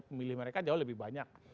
pemilih mereka jauh lebih banyak